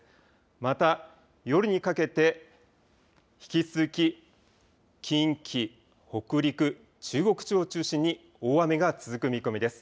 また夜にかけて引き続き近畿、北陸、中国地方を中心に大雨が続く見込みです。